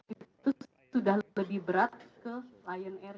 itu sudah lebih berat ke lion air